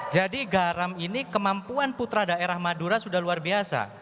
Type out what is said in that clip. jadi garam ini kemampuan putra daerah madura sudah luar biasa